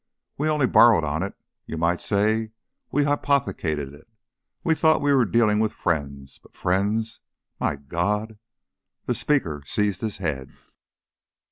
We only borrowed on it, you might say hypothecated it. We thought we were dealing with friends, but Friends! My God!" The speaker seized his head.